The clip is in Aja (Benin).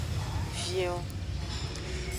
Vion.